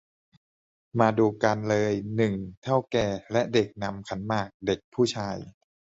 มาดูกันเลย หนึ่ง เถ้าแก่และเด็กนำขันหมาก เด็กผู้ชาย